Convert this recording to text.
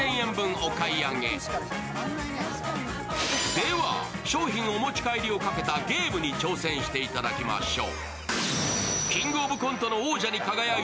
では、商品お持ち帰りをかけたゲームに挑戦していただきましょう。